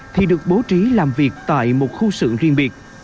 thì được bố trí làm việc tại một khu sự riêng biệt